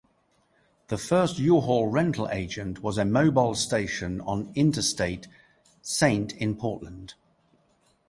The first U-Haul Rental Agent was a Mobil station on Interstate Saint in Portland.